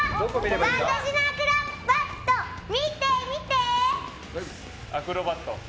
私のアクロバット見て見て！